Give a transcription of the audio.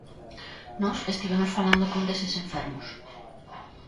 Nós estivemos falando cun deses enfermos.